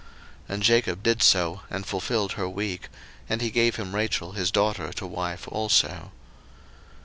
01:029:028 And Jacob did so, and fulfilled her week: and he gave him Rachel his daughter to wife also.